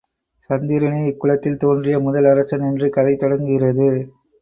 சந்திரனே இக்குலத்தில் தோன்றிய முதல் அரசன் என்று கதை தொடங்குகிறது.